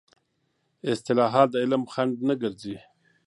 اصطلاحات د علم خنډ نه ګرځي.